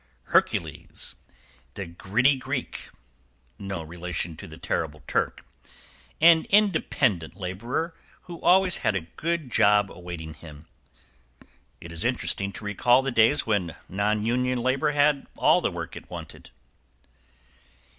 =HERCULES. The Gritty Greek (no relation to the Terrible Turk), an independent laborer, who always had a good job awaiting him. =It is interesting to recall the days when non union labor had all the work it wanted.